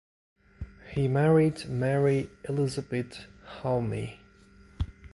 He married Marie Elisabeth Jaume.